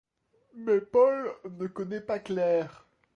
Mais Paul ne connaît pas Claire.